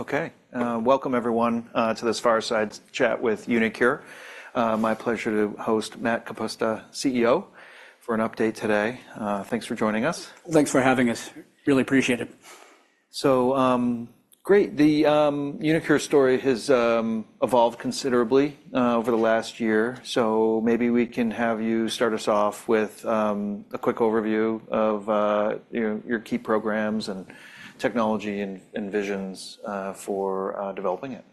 Okay, welcome everyone, to this Fireside Chat with uniQure. My pleasure to host Matt Kapusta, CEO, for an update today. Thanks for joining us. Thanks for having us. Really appreciate it. So, great. The uniQure story has evolved considerably over the last year. So maybe we can have you start us off with a quick overview of, you know, your key programs and technology and visions for developing it.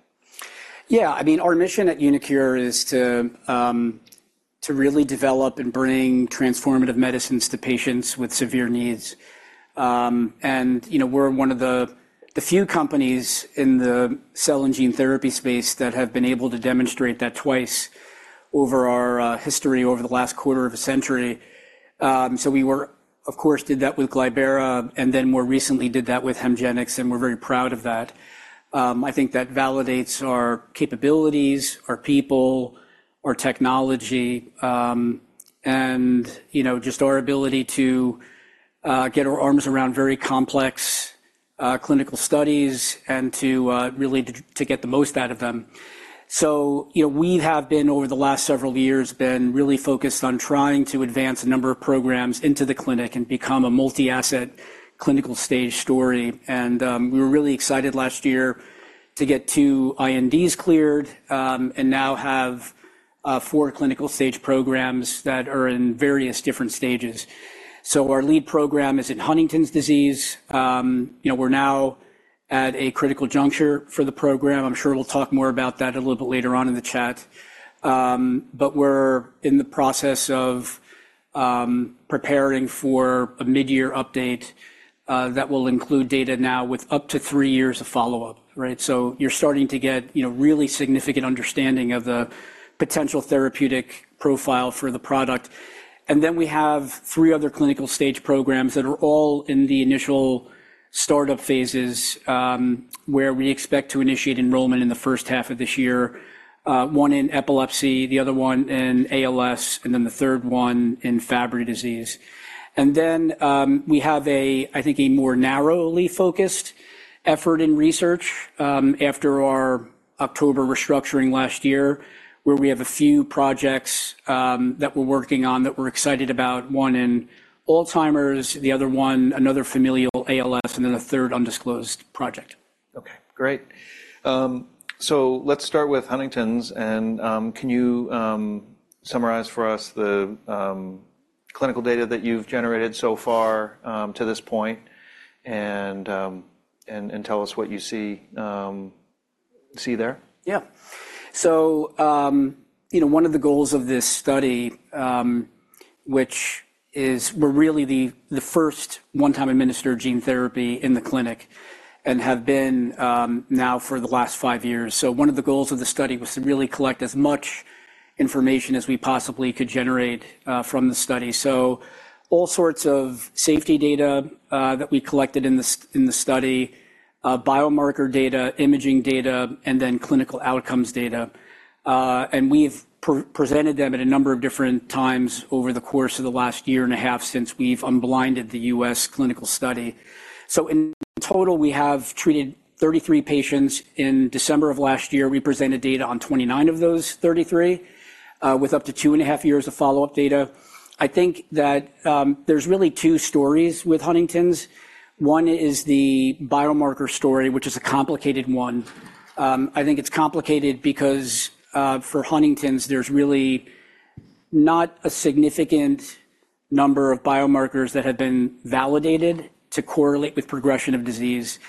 Yeah, I mean, our mission at uniQure is to really develop and bring transformative medicines to patients with severe needs. And, you know, we're one of the few companies in the cell and gene therapy space that have been able to demonstrate that twice over our history, over the last quarter of a century. So of course we did that with Glybera, and then more recently did that with HEMGENIX, and we're very proud of that. I think that validates our capabilities, our people, our technology, and, you know, just our ability to get our arms around very complex clinical studies and to really get the most out of them. So, you know, we have been over the last several years really focused on trying to advance a number of programs into the clinic and become a multi-asset clinical stage story. And we were really excited last year to get 2 INDs cleared, and now have 4 clinical stage programs that are in various different stages. So our lead program is in Huntington's disease. You know, we're now at a critical juncture for the program. I'm sure we'll talk more about that a little bit later on in the chat. But we're in the process of preparing for a mid-year update that will include data now with up to 3 years of follow-up, right? So you're starting to get, you know, really significant understanding of the potential therapeutic profile for the product. And then we have three other clinical stage programs that are all in the initial startup phases, where we expect to initiate enrollment in the first half of this year, one in epilepsy, the other one in ALS, and then the third one in Fabry disease. And then, we have a, I think, a more narrowly focused effort in research, after our October restructuring last year, where we have a few projects that we're working on that we're excited about, one in Alzheimer's, the other one, another familial ALS, and then a third undisclosed project. Okay, great. So let's start with Huntington's, and can you summarize for us the clinical data that you've generated so far, to this point, and tell us what you see there? Yeah. So, you know, one of the goals of this study, which is... We're really the first one-time administered gene therapy in the clinic and have been now for the last 5 years. So one of the goals of the study was to really collect as much information as we possibly could generate from the study. So all sorts of safety data that we collected in the study, biomarker data, imaging data, and then clinical outcomes data. And we've presented them at a number of different times over the course of the last 1.5 years since we've unblinded the US clinical study. So in total, we have treated 33 patients. In December of last year, we presented data on 29 of those 33 with up to 2.5 years of follow-up data. I think that, there's really two stories with Huntington's. One is the biomarker story, which is a complicated one. I think it's complicated because, for Huntington's, there's really not a significant number of biomarkers that have been validated to correlate with progression of disease.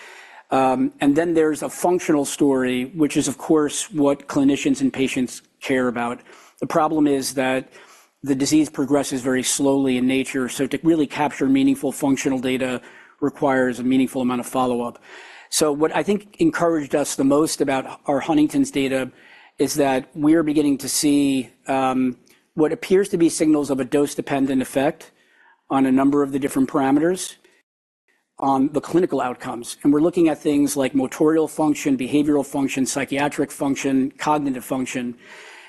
And then there's a functional story, which is, of course, what clinicians and patients care about. The problem is that the disease progresses very slowly in nature, so to really capture meaningful functional data requires a meaningful amount of follow-up. So what I think encouraged us the most about our Huntington's data is that we are beginning to see, what appears to be signals of a dose-dependent effect on a number of the different parameters on the clinical outcomes. And we're looking at things like motor function, behavioral function, psychiatric function, cognitive function.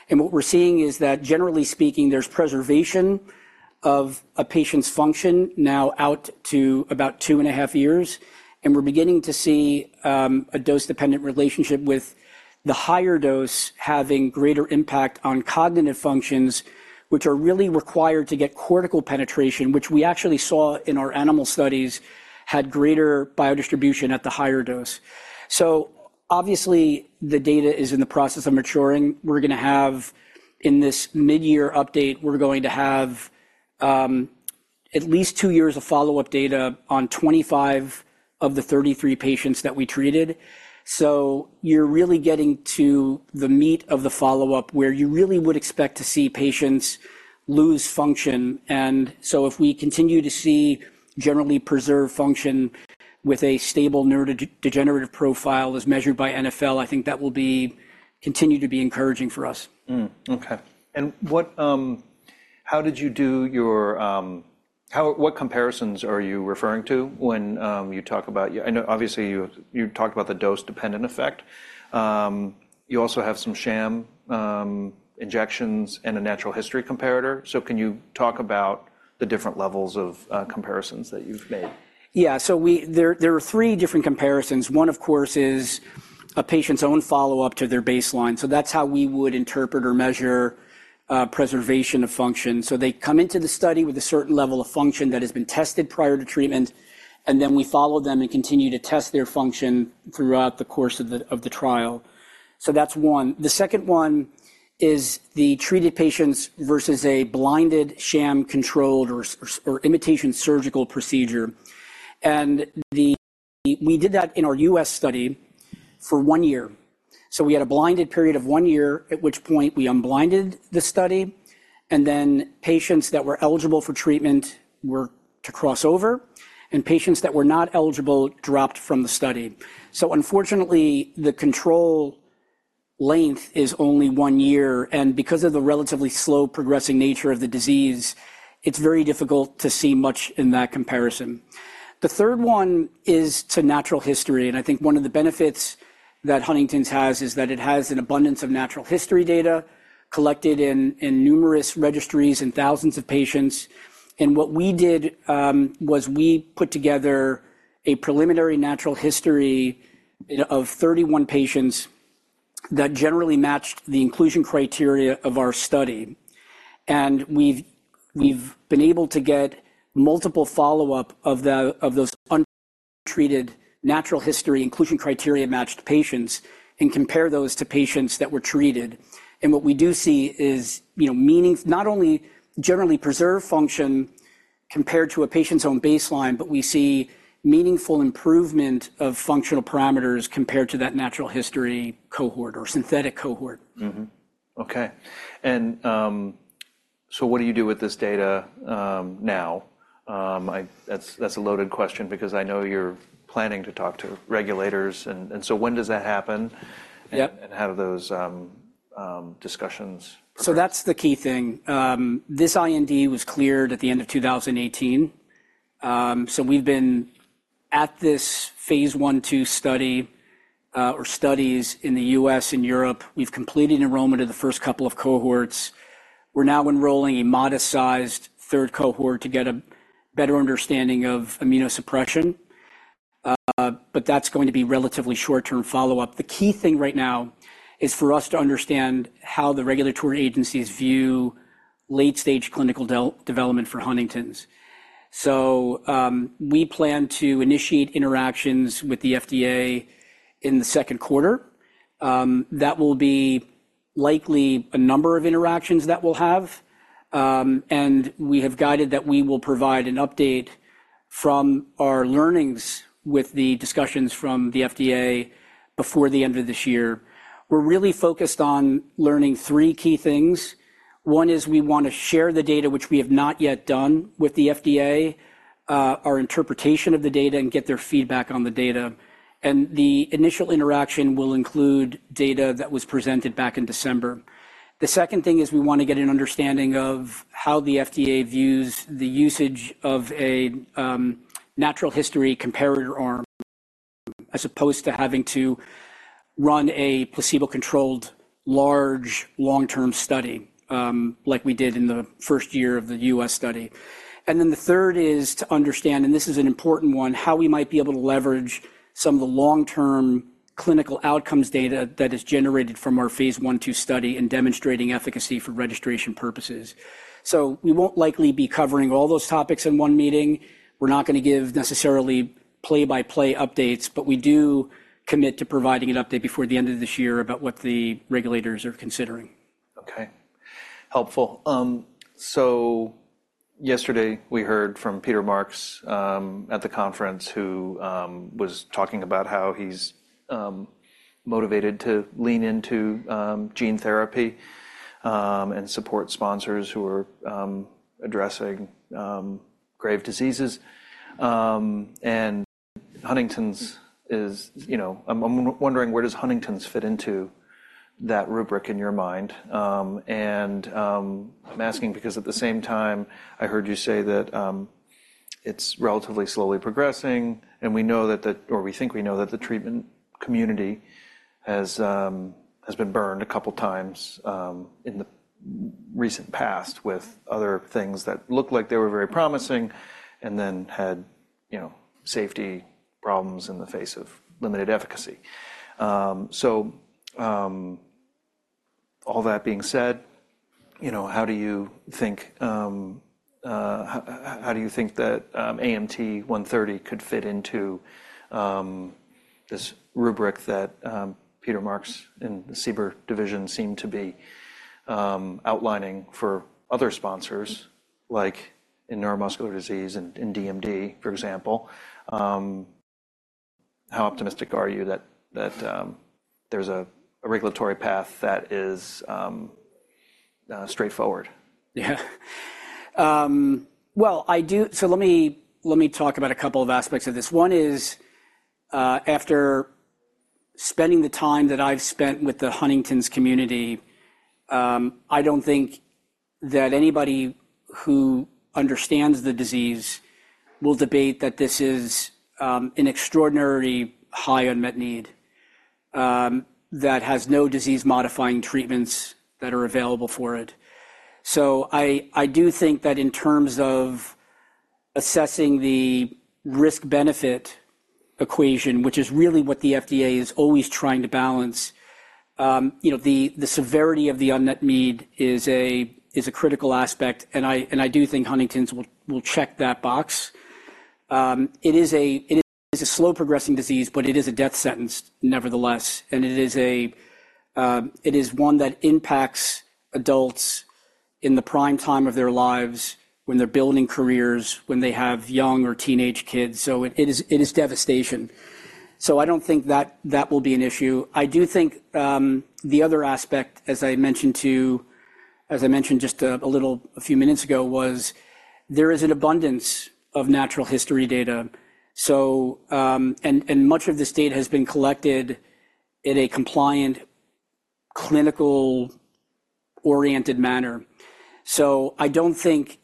What we're seeing is that, generally speaking, there's preservation of a patient's function now out to about 2.5 years, and we're beginning to see a dose-dependent relationship with the higher dose having greater impact on cognitive functions, which are really required to get cortical penetration, which we actually saw in our animal studies, had greater biodistribution at the higher dose. So obviously, the data is in the process of maturing. In this mid-year update, we're going to have at least 2 years of follow-up data on 25 of the 33 patients that we treated. So you're really getting to the meat of the follow-up, where you really would expect to see patients lose function. And so if we continue to see generally preserved function with a stable neurodegenerative profile as measured by NfL, I think that will be, continue to be encouraging for us. Okay. What comparisons are you referring to when you talk about your... I know obviously, you, you talked about the dose-dependent effect. You also have some sham injections and a natural history comparator. So can you talk about the different levels of comparisons that you've made? Yeah, so there are three different comparisons. One, of course, is a patient's own follow-up to their baseline, so that's how we would interpret or measure preservation of function. So they come into the study with a certain level of function that has been tested prior to treatment, and then we follow them and continue to test their function throughout the course of the trial. So that's one. The second one is the treated patients versus a blinded, sham-controlled or imitation surgical procedure, and we did that in our U.S. study for one year. So we had a blinded period of one year, at which point we unblinded the study, and then patients that were eligible for treatment were to cross over, and patients that were not eligible dropped from the study. Unfortunately, the control length is only 1 year, and because of the relatively slow, progressing nature of the disease, it's very difficult to see much in that comparison. The third one is to natural history, and I think one of the benefits that Huntington's has is that it has an abundance of natural history data collected in numerous registries and thousands of patients. What we did was we put together a preliminary natural history of 31 patients that generally matched the inclusion criteria of our study. We've been able to get multiple follow-up of those untreated natural history inclusion criteria matched patients and compare those to patients that were treated. What we do see is, you know, meaning not only generally preserved function compared to a patient's own baseline, but we see meaningful improvement of functional parameters compared to that natural history cohort or synthetic cohort. Mm-hmm. Okay, and so what do you do with this data now? That's a loaded question because I know you're planning to talk to regulators and so when does that happen? Yep. And how do those discussions progress? So that's the key thing. This IND was cleared at the end of 2018. So we've been at this phase I/II study, or studies in the U.S. and Europe. We've completed enrollment of the first couple of cohorts. We're now enrolling a modest-sized third cohort to get a better understanding of immunosuppression, but that's going to be relatively short-term follow-up. The key thing right now is for us to understand how the regulatory agencies view late-stage clinical development for Huntington's. So, we plan to initiate interactions with the FDA in the second quarter. That will be likely a number of interactions that we'll have, and we have guided that we will provide an update from our learnings with the discussions from the FDA before the end of this year. We're really focused on learning three key things. One is we want to share the data, which we have not yet done with the FDA, our interpretation of the data, and get their feedback on the data. The second thing is we want to get an understanding of how the FDA views the usage of a natural history comparator arm, as opposed to having to run a placebo-controlled, large, long-term study, like we did in the first year of the U.S. study. Then the third is to understand, and this is an important one, how we might be able to leverage some of the long-term clinical outcomes data that is generated from our phase I/II study in demonstrating efficacy for registration purposes. So we won't likely be covering all those topics in one meeting. We're not gonna give necessarily play-by-play updates, but we do commit to providing an update before the end of this year about what the regulators are considering. Okay. Helpful. So yesterday, we heard from Peter Marks at the conference, who was talking about how he's motivated to lean into gene therapy and support sponsors who are addressing grave diseases. And Huntington's is, you know... I'm wondering, where does Huntington's fit into that rubric in your mind? And I'm asking because at the same time, I heard you say that it's relatively slowly progressing, and we know that the or we think we know that the treatment community has been burned a couple times in the recent past with other things that looked like they were very promising and then had, you know, safety problems in the face of limited efficacy. So, all that being said, you know, how do you think that AMT-130 could fit into this rubric that Peter Marks and the CBER division seem to be outlining for other sponsors, like in neuromuscular disease and in DMD, for example? How optimistic are you that that there's a regulatory path that is straightforward? Yeah. Well, so let me talk about a couple of aspects of this. One is, after spending the time that I've spent with the Huntington's community, I don't think that anybody who understands the disease will debate that this is an extraordinarily high unmet need that has no disease-modifying treatments that are available for it. So I do think that in terms of assessing the risk-benefit equation, which is really what the FDA is always trying to balance, you know, the severity of the unmet need is a critical aspect, and I do think Huntington's will check that box. It is a slow progressing disease, but it is a death sentence nevertheless, and it is one that impacts adults in the prime time of their lives when they're building careers, when they have young or teenage kids, so it is devastation. So I don't think that will be an issue. I do think the other aspect, as I mentioned just a few minutes ago, was there is an abundance of natural history data. So, much of this data has been collected in a compliant, clinical-oriented manner. So I don't think.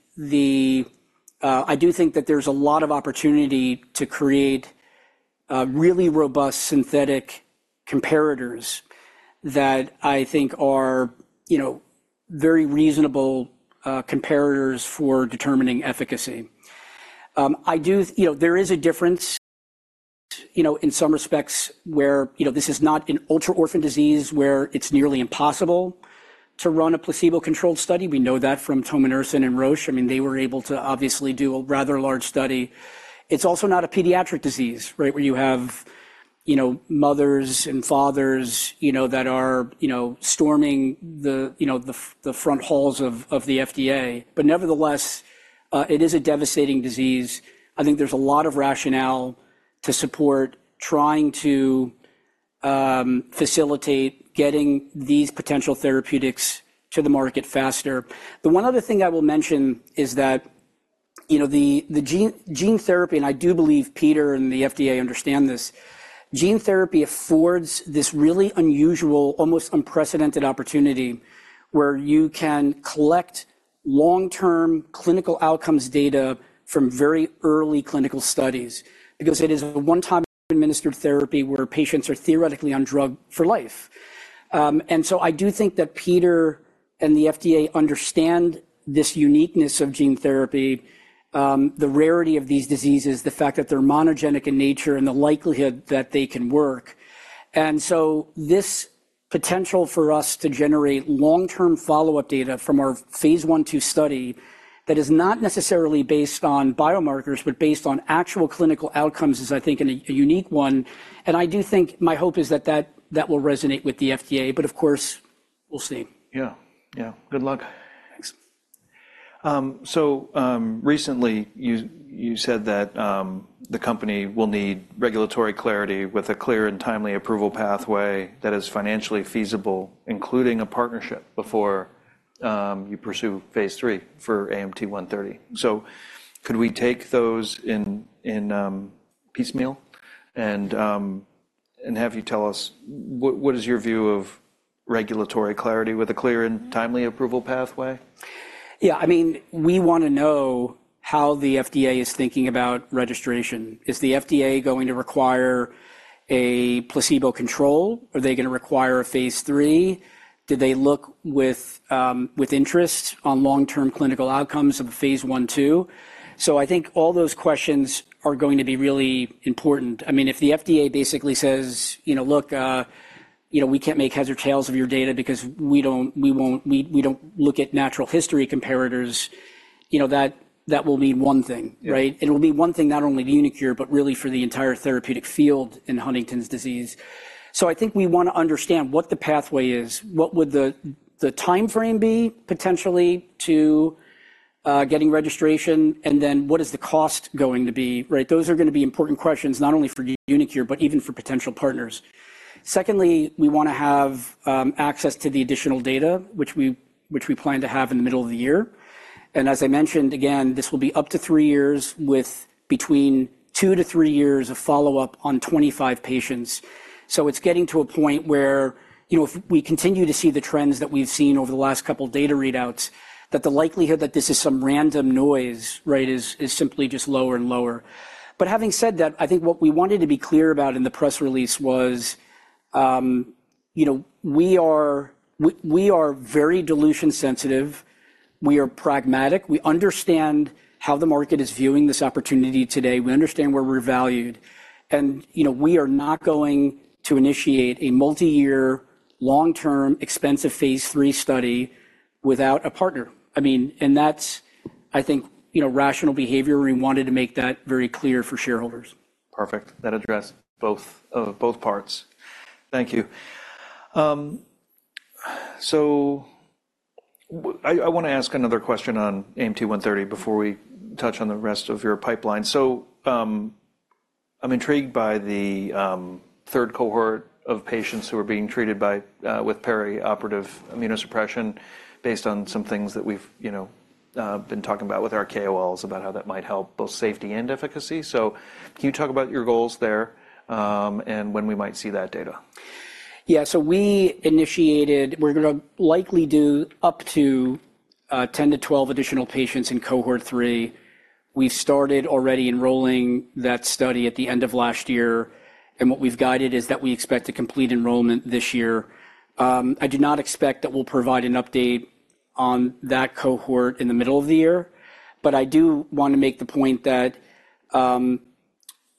I do think that there's a lot of opportunity to create really robust synthetic comparators that I think are, you know, very reasonable comparators for determining efficacy. I do, you know, there is a difference, you know, in some respects, where, you know, this is not an ultra-orphan disease where it's nearly impossible to run a placebo-controlled study. We know that from tominersen and Roche. I mean, they were able to obviously do a rather large study. It's also not a pediatric disease, right? Where you have, you know, mothers and fathers, you know, that are, you know, storming the, you know, the front halls of the FDA. But nevertheless, it is a devastating disease. I think there's a lot of rationale to support trying to facilitate getting these potential therapeutics to the market faster. The one other thing I will mention is that, you know, the gene therapy, and I do believe Peter and the FDA understand this. Gene therapy affords this really unusual, almost unprecedented opportunity, where you can collect long-term clinical outcomes data from very early clinical studies. Because it is a one-time administered therapy where patients are theoretically on drug for life. And so I do think that Peter and the FDA understand this uniqueness of gene therapy, the rarity of these diseases, the fact that they're monogenic in nature, and the likelihood that they can work. And so this potential for us to generate long-term follow-up data from our phase I/II study, that is not necessarily based on biomarkers, but based on actual clinical outcomes, is, I think, a unique one. I do think my hope is that will resonate with the FDA, but of course, we'll see. Yeah. Yeah. Good luck. Thanks. So, recently, you said that the company will need regulatory clarity with a clear and timely approval pathway that is financially feasible, including a partnership before you pursue phase III for AMT-130. So could we take those piecemeal and have you tell us what is your view of regulatory clarity with a clear and timely approval pathway? Yeah, I mean, we wanna know how the FDA is thinking about registration. Is the FDA going to require a placebo control? Are they gonna require a phase III? Do they look with interest on long-term clinical outcomes of a phase I/II? So I think all those questions are going to be really important. I mean, if the FDA basically says, you know, "Look, you know, we can't make heads or tails of your data because we don't look at natural history comparators," you know, that will mean one thing, right? Yeah. It will mean one thing not only for uniQure, but really for the entire therapeutic field in Huntington's disease. So I think we wanna understand what the pathway is, what would the, the timeframe be potentially to, getting registration, and then what is the cost going to be, right? Those are gonna be important questions, not only for uniQure, but even for potential partners. Secondly, we wanna have, access to the additional data, which we, which we plan to have in the middle of the year. And as I mentioned, again, this will be up to 3 years, with between 2-3 years of follow-up on 25 patients. So it's getting to a point where, you know, if we continue to see the trends that we've seen over the last couple of data readouts, that the likelihood that this is some random noise, right, is simply just lower and lower. But having said that, I think what we wanted to be clear about in the press release was, you know, we are... We are very dilution sensitive. We are pragmatic. We understand how the market is viewing this opportunity today. We understand where we're valued, and, you know, we are not going to initiate a multi-year, long-term, expensive phase III study without a partner. I mean, and that's, I think, you know, rational behavior. We wanted to make that very clear for shareholders. Perfect. That addressed both parts. Thank you. So I wanna ask another question on AMT-130 before we touch on the rest of your pipeline. So I'm intrigued by the third cohort of patients who are being treated with perioperative immunosuppression, based on some things that we've, you know, been talking about with our KOLs, about how that might help both safety and efficacy. So can you talk about your goals there, and when we might see that data? Yeah, so we initiated. We're gonna likely do up to 10-12 additional patients in Cohort III. We started already enrolling that study at the end of last year, and what we've guided is that we expect to complete enrollment this year. I do not expect that we'll provide an update on that cohort in the middle of the year, but I do want to make the point that,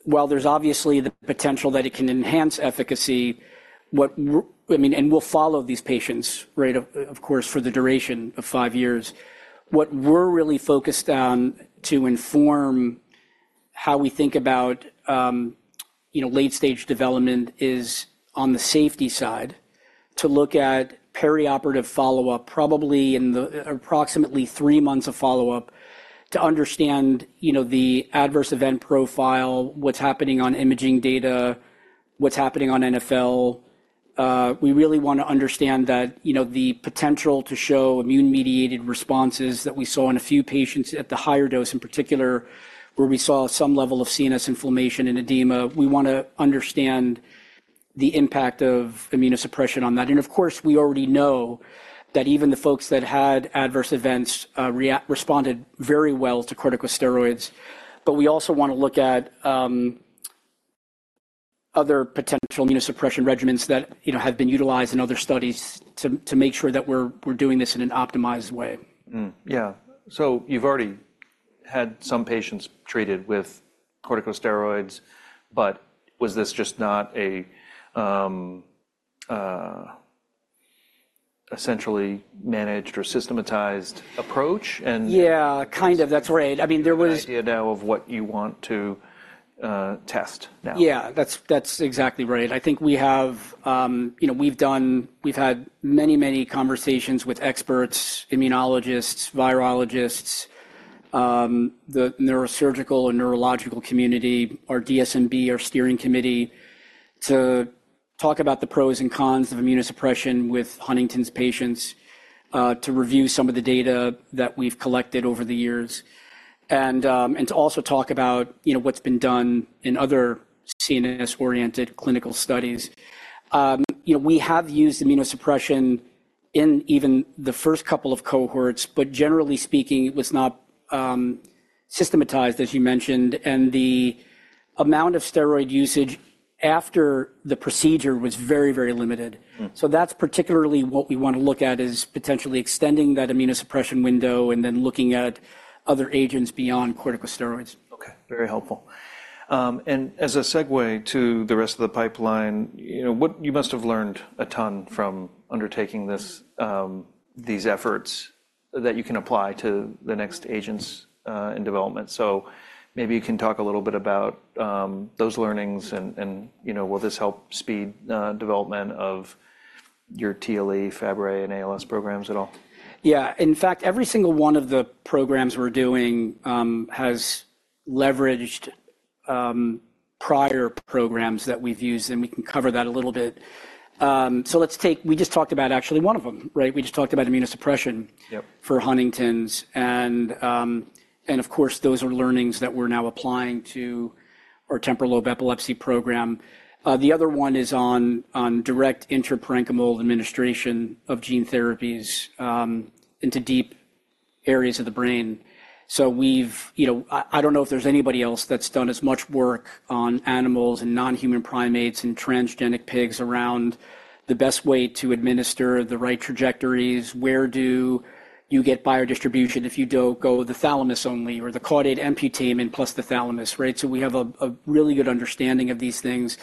while there's obviously the potential that it can enhance efficacy, I mean, and we'll follow these patients, right, of course, for the duration of five years. What we're really focused on to inform how we think about, you know, late-stage development is on the safety side, to look at perioperative follow-up, probably in the approximately three months of follow-up, to understand, you know, the adverse event profile, what's happening on imaging data, what's happening on NfL. We really want to understand that, you know, the potential to show immune-mediated responses that we saw in a few patients at the higher dose, in particular, where we saw some level of CNS inflammation and edema. We want to understand the impact of immunosuppression on that. And of course, we already know that even the folks that had adverse events, responded very well to corticosteroids. But we also want to look at other potential immunosuppression regimens that, you know, have been utilized in other studies to make sure that we're doing this in an optimized way. Mm. Yeah. So you've already had some patients treated with corticosteroids, but was this just not a essentially managed or systematized approach and- Yeah, kind of. That's right. I mean, there was- An idea now of what you want to test now. Yeah, that's, that's exactly right. I think we have... You know, we've had many, many conversations with experts, immunologists, virologists, the neurosurgical and neurological community, our DSMB, our steering committee, to talk about the pros and cons of immunosuppression with Huntington's patients, to review some of the data that we've collected over the years, and to also talk about, you know, what's been done in other CNS-oriented clinical studies. You know, we have used immunosuppression in even the first couple of cohorts, but generally speaking, it was not systematized, as you mentioned, and the amount of steroid usage after the procedure was very, very limited. Mm. That's particularly what we want to look at is potentially extending that immunosuppression window and then looking at other agents beyond corticosteroids. Okay, very helpful. And as a segue to the rest of the pipeline, you know, you must have learned a ton from undertaking this, these efforts that you can apply to the next agents in development. So maybe you can talk a little bit about those learnings and, you know, will this help speed development of your TLE, Fabry, and ALS programs at all? Yeah. In fact, every single one of the programs we're doing has leveraged prior programs that we've used, and we can cover that a little bit. So let's take. We just talked about actually one of them, right? We just talked about immunosuppression- Yep. for Huntington's, and, of course, those are learnings that we're now applying to our temporal lobe epilepsy program. The other one is on direct intraparenchymal administration of gene therapies into deep areas of the brain. So we've... You know, I don't know if there's anybody else that's done as much work on animals and non-human primates and transgenic pigs around the best way to administer the right trajectories. Where do you get biodistribution if you do go the thalamus only or the caudate and putamen plus the thalamus, right? So we have a really good understanding of these things.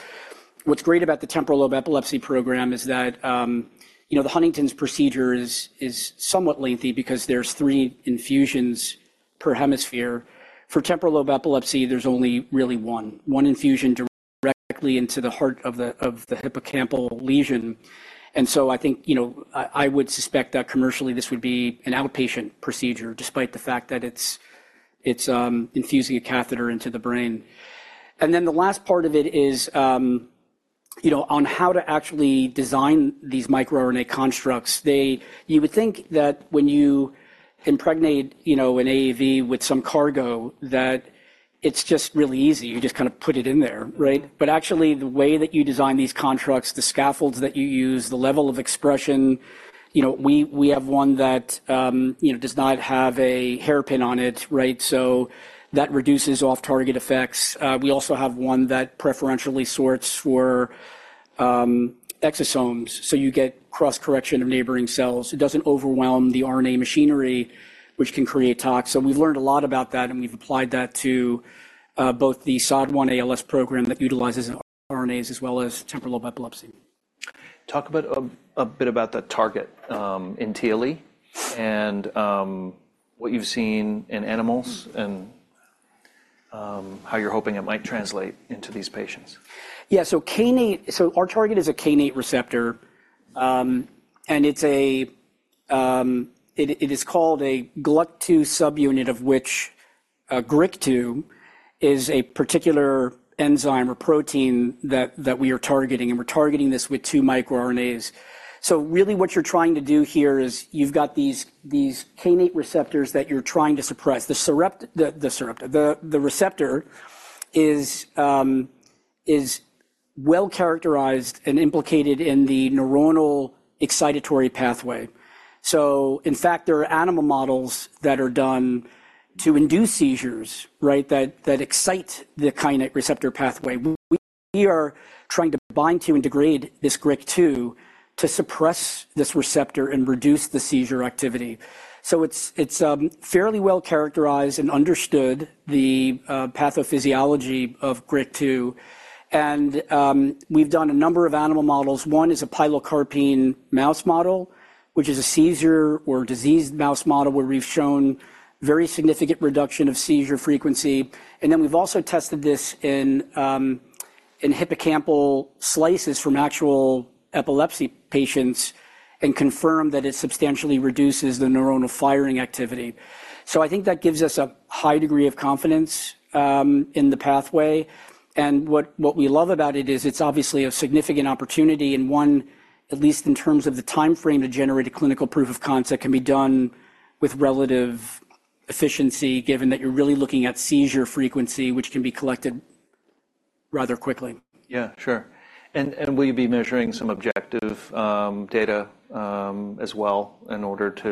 What's great about the temporal lobe epilepsy program is that, you know, the Huntington's procedure is somewhat lengthy because there's three infusions per hemisphere. For temporal lobe epilepsy, there's only really one infusion directly into the heart of the hippocampal lesion. And so I think, you know, I would suspect that commercially this would be an outpatient procedure, despite the fact that it's infusing a catheter into the brain. And then the last part of it is, you know, on how to actually design these microRNA constructs. You would think that when you impregnate, you know, an AAV with some cargo, that it's just really easy. You just kind of put it in there, right? But actually, the way that you design these constructs, the scaffolds that you use, the level of expression, you know, we have one that, you know, does not have a hairpin on it, right? So that reduces off-target effects. We also have one that preferentially sorts for exosomes, so you get cross-correction of neighboring cells. It doesn't overwhelm the RNA machinery, which can create tox. So we've learned a lot about that, and we've applied that to both the SOD1 ALS program that utilizes RNAs as well as temporal lobe epilepsy. Talk about a bit about the target in TLE and what you've seen in animals and how you're hoping it might translate into these patients. Yeah, so kainate. So our target is a kainate receptor, and it's a, it is called a GluK2 subunit, of which GRIK2 is a particular enzyme or protein that we are targeting, and we're targeting this with two microRNAs. So really, what you're trying to do here is you've got these kainate receptors that you're trying to suppress. The kainate receptor is well-characterized and implicated in the neuronal excitatory pathway. So in fact, there are animal models that are done to induce seizures, right? That excite the kainate receptor pathway. We are trying to bind to and degrade this GRIK2 to suppress this receptor and reduce the seizure activity. So it's fairly well-characterized and understood, the pathophysiology of GRIK2, and we've done a number of animal models. One is a pilocarpine mouse model, which is a seizure or diseased mouse model, where we've shown very significant reduction of seizure frequency. And then we've also tested this in hippocampal slices from actual epilepsy patients and confirmed that it substantially reduces the neuronal firing activity. So I think that gives us a high degree of confidence in the pathway. And what we love about it is it's obviously a significant opportunity, and one, at least in terms of the timeframe to generate a clinical proof of concept, can be done with relative efficiency, given that you're really looking at seizure frequency, which can be collected rather quickly. Yeah, sure. And will you be measuring some objective data as well, in order to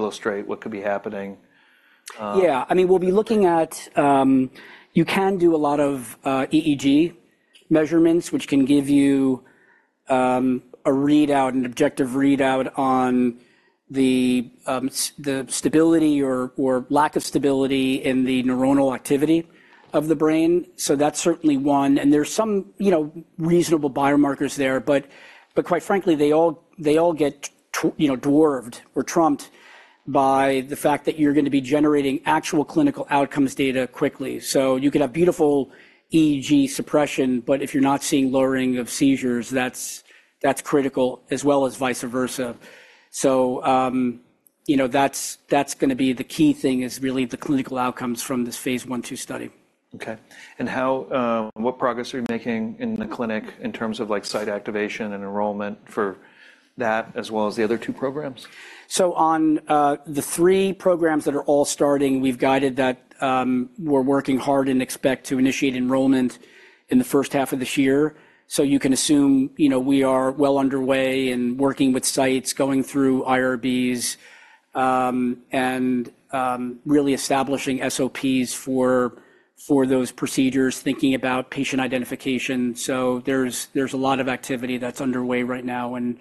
illustrate what could be happening? Yeah. I mean, we'll be looking at. You can do a lot of EEG measurements, which can give you a readout, an objective readout on the stability or lack of stability in the neuronal activity of the brain. So that's certainly one, and there's some, you know, reasonable biomarkers there. But quite frankly, they all get you know, dwarfed or trumped by the fact that you're going to be generating actual clinical outcomes data quickly. So you could have beautiful EEG suppression, but if you're not seeing lowering of seizures, that's critical, as well as vice versa. So you know, that's gonna be the key thing is really the clinical outcomes from this phase I/II study. Okay. And how, what progress are you making in the clinic in terms of, like, site activation and enrollment for that, as well as the other two programs? So on the three programs that are all starting, we've guided that we're working hard and expect to initiate enrollment in the first half of this year. So you can assume, you know, we are well underway and working with sites, going through IRBs and really establishing SOPs for those procedures, thinking about patient identification. So there's a lot of activity that's underway right now, and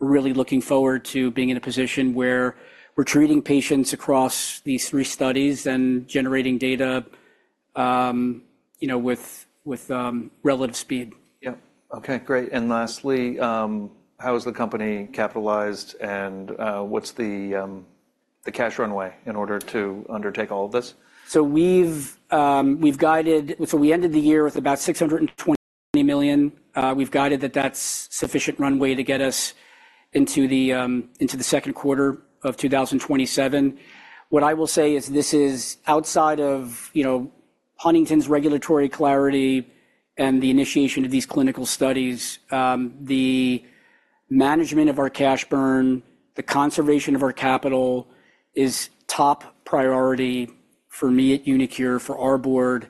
we're really looking forward to being in a position where we're treating patients across these three studies and generating data, you know, with relative speed. Yep. Okay, great. And lastly, how is the company capitalized, and what's the cash runway in order to undertake all of this? So we've guided. So we ended the year with about $620 million. We've guided that that's sufficient runway to get us into the second quarter of 2027. What I will say is this is outside of, you know, Huntington's regulatory clarity and the initiation of these clinical studies. The management of our cash burn, the conservation of our capital, is top priority for me at uniQure, for our board,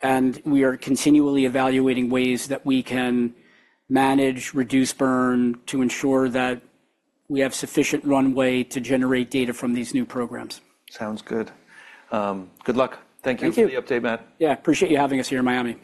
and we are continually evaluating ways that we can manage, reduce burn, to ensure that we have sufficient runway to generate data from these new programs. Sounds good. Good luck. Thank you! Thank you for the update, Matt. Yeah, appreciate you having us here in Miami.